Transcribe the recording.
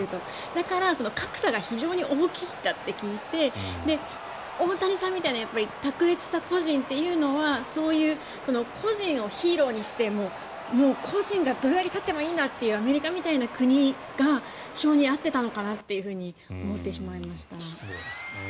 だから格差が非常に大きいと聞いて大谷さんみたいな卓越した個人というのはそういう個人をヒーローにして個人がどれだけ取ってもいいんだというアメリカみたいな国が性に遭っていたのかなと思ってしまいました。